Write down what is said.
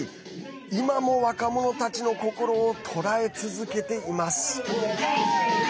今も若者たちの心を捉え続けています。